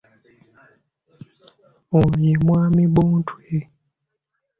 Ono ye mwami Bontwe.